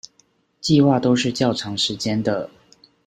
計畫都是較長時間的